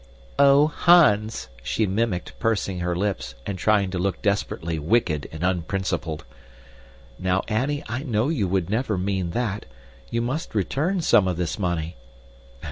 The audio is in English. "Oh, Hans!" she mimicked, pursing her lips, and trying to look desperately wicked and unprincipled. "Now, Annie, I know you would never mean that! You must return some of this money."